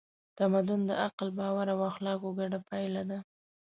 تمدن د عقل، باور او اخلاقو ګډه پایله ده.